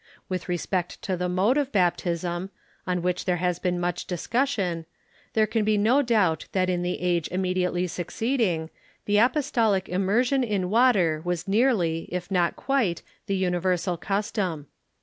With respect to the mode of baptism, on which there has been much dis cussion, there can be no doubt that in the age immediately succeeding, the apostolic immersion in water was nearly, if not quite, the universal custom.